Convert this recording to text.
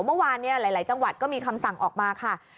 เมื่อวานหลายจังหวัดก็มีคำสั่งออกมาค่ะ